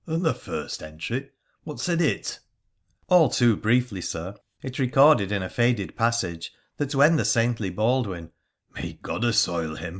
' And the first entry ? What said it ?'' All too briefly, sir, it recorded in a faded passage that when the saintly Baldwin — may God assoil him